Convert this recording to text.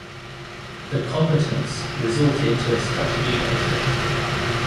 The combatants resorted to a "strategy of attrition".